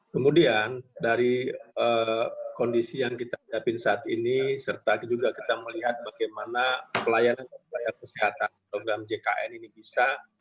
kemudian dari kondisi yang kita hadapin saat ini serta juga kita melihat bagaimana pelayanan dan pelayanan kesehatan program jkn ini bisa